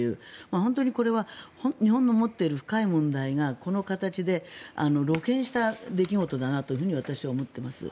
本当にこれは日本の持っている深い問題がこの形で露見した出来事だなと私は思っています。